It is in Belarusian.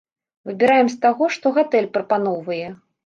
Выбіраем з таго, што гатэль прапаноўвае.